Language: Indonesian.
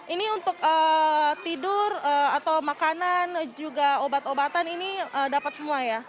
ini untuk tidur atau makanan juga obat obatan ini dapat semua ya